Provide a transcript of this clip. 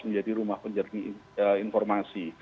menjadi rumah penjernih informasi